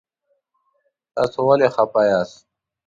تاسو ولې خفه یاست؟